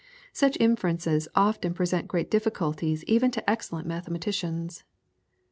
Such inferences often present great difficulties even to excellent mathematicians.